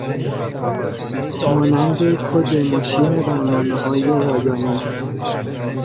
مانند کد ماشین برنامههای رایانه ای.